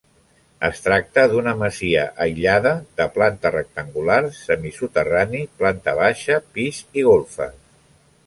Es tracta d'una masia aïllada de planta rectangular, semisoterrani, planta baixa, pis i golfes.